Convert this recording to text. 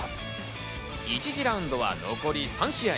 １次ラウンドは残り３試合。